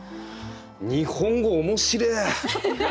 日本語面白え！